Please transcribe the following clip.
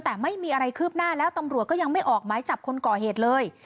แต่ไม่มีอะไรคืบหน้าแล้วตำรวจก็ยังไม่ออกหมายจับคนก่อเหตุเลย